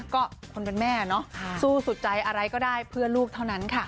ก็คนเป็นแม่เนาะสู้สุดใจอะไรก็ได้เพื่อลูกเท่านั้นค่ะ